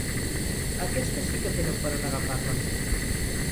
Aquestes sí que tenen per on agafar-les.